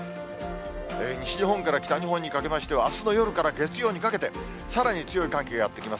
西日本から北日本にかけましては、あすの夜から月曜にかけて、さらに強い寒気がやって来ます。